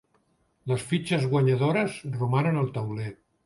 Les fitxes guanyadores romanen al tauler.